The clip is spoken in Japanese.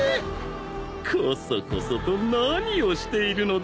こそこそと何をしているのだろうなぁ。